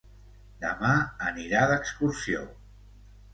Demà anirà d'excursió.